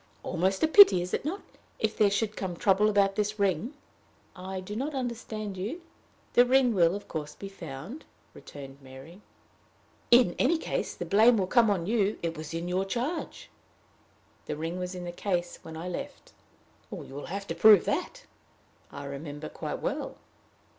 "Almost a pity, is it not if there should come trouble about this ring?" "I do not understand you. The ring will, of course, be found," returned Mary. "In any case the blame will come on you: it was in your charge." "The ring was in the case when I left." "You will have to prove that." "I remember quite well."